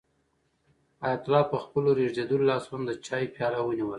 حیات الله په خپلو ریږېدلو لاسونو د چایو پیاله ونیوله.